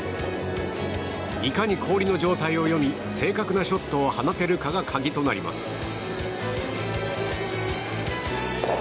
いかに氷の状態を読み正確なショットを放てるかが鍵となります。